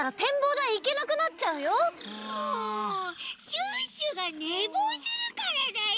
シュッシュがねぼうするからだよ！